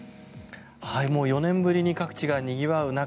４年ぶりに各地がにぎわう中